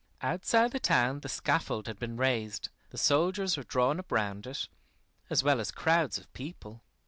Outside the town the scaffold had been raised, the soldiers were drawn up round it, as well as crowds of people.